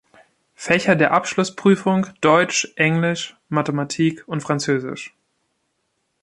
Fächer der Abschlussprüfung: Deutsch, Englisch, Mathematik und Französisch.